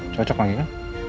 cocok lagi ya